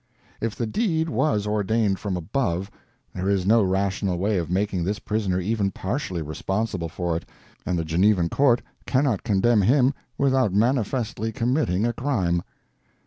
If the deed was ordained from above, there is no rational way of making this prisoner even partially responsible for it, and the Genevan court cannot condemn him without manifestly committing a crime.